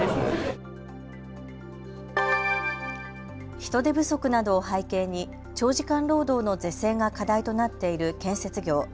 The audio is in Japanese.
人手不足などを背景に長時間労働の是正が課題となっている建設業。